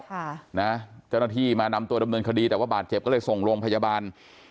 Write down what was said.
เจ้าหน้าที่มานำตัวดำเนินคดีแต่ว่าบาดเจ็บก็เลยส่งโรงพยาบาล